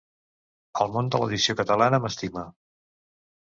El món de l’edició catalana m’estima.